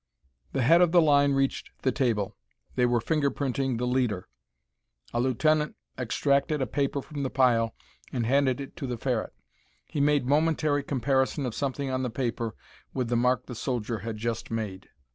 The head of the line reached the table. They were fingerprinting the leader! A lieutenant extracted a paper from the pile and handed it to the Ferret. He made momentary comparison of something on the paper with the mark the soldier had just made.